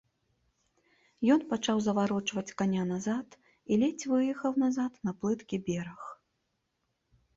Ён пачаў заварочваць каня назад і ледзь выехаў назад на плыткі бераг.